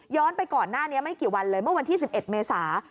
ไปก่อนหน้านี้ไม่กี่วันเลยเมื่อวันที่๑๑เมษา